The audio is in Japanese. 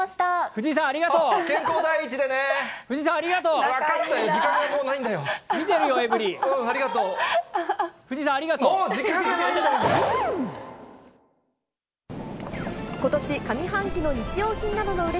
藤井さん、ありがとう。